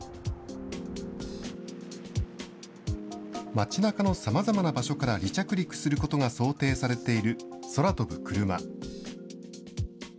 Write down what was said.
街なかのさまざまな場所から離着陸することが想定されている空飛ぶクルマ。